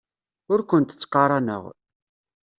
Ur kent-ttqaraneɣ.